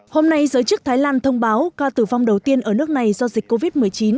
hôm nay giới chức thái lan thông báo ca tử vong đầu tiên ở nước này do dịch covid một mươi chín